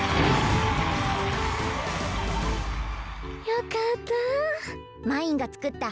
よかった。